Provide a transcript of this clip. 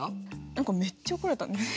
何かめっちゃ怒られたんだよね。